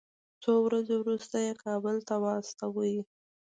څو ورځې وروسته یې کابل ته واستاوه.